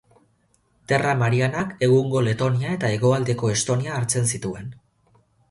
Terra Marianak egungo Letonia eta hegoaldeko Estonia hartzen zituen.